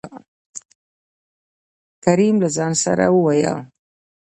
کريم : له ځان سره يې ووېل: